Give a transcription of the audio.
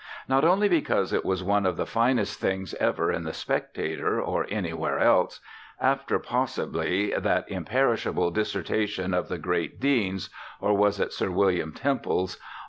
Not only because it was one of the finest things ever in The Spectator, or anywhere else (after, possibly, that imperishable dissertation of the great Dean's or was it Sir William Temple's?